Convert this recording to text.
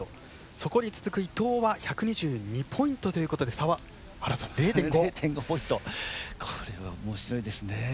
そこに続く伊藤は１２２ポイントということでこれはおもしろいですね。